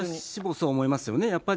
私もそう思いますよね。